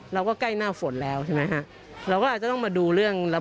ใกล้หน้าฝนแล้วใช่ไหมฮะเราก็อาจจะต้องมาดูเรื่องแล้ว